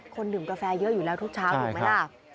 คนดื่มกาแฟเยอะอยู่แล้วทุกช้าถูกไหมละค่ะใช่ครับ